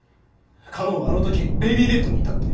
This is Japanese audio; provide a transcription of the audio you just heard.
佳音はあの時ベビーベッドにいたって。